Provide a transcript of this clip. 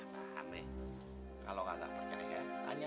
mbak be kalau gak percaya tanya aja nih